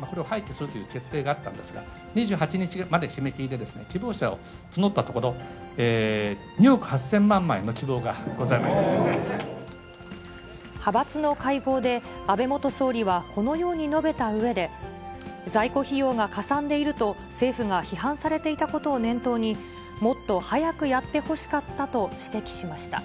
これを廃棄をするという決定があったんですが、２８日まで締め切りで、希望者を募ったところ、２億８０００万枚の希望がござい派閥の会合で、安倍元総理はこのように述べたうえで、在庫費用がかさんでいると、政府が批判されていたことを念頭に、もっと早くやってほしかったと指摘しました。